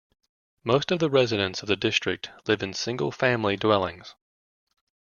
Most of the residents of the District live in single-family dwellings.